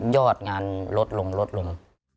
ยอดงานลดลง